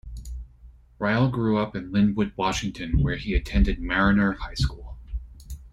Riall grew up in Lynnwood, Washington, where he attended Mariner High School.